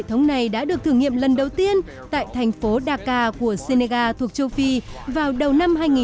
hệ thống này đã được thử nghiệm lần đầu tiên tại thành phố dhaka của senegal thuộc châu phi vào đầu năm hai nghìn một mươi năm